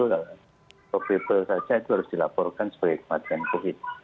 kalau saya itu harus dilaporkan sebagai kematian covid